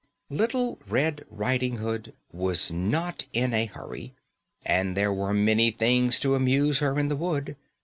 _ Little Red Riding Hood was not in a hurry, and there were many things to amuse her in the wood.